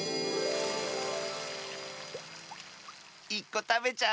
１こたべちゃう？